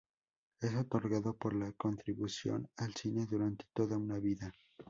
Es otorgado por la contribución al cine durante toda una vida.